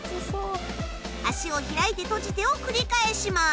足を開いて閉じてを繰り返します。